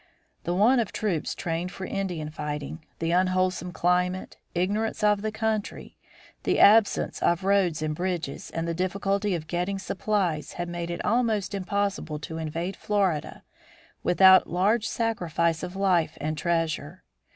The want of troops trained for Indian fighting, the unwholesome climate, ignorance of the country, the absence of roads and bridges, and the difficulty of getting supplies had made it almost impossible to invade Florida without large sacrifice of life and treasure.